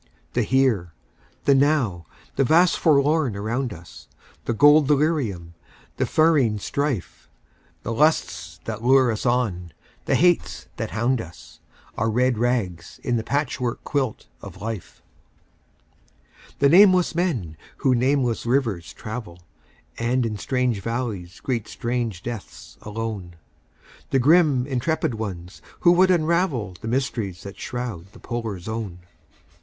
The Here, the Now, the vast Forlorn around us; The gold delirium, the ferine strife; The lusts that lure us on, the hates that hound us; Our red rags in the patch work quilt of Life. The nameless men who nameless rivers travel, And in strange valleys greet strange deaths alone; The grim, intrepid ones who would unravel The mysteries that shroud the Polar Zone.